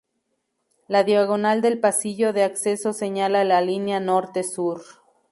La diagonal del pasillo de acceso señala la línea Norte-Sur.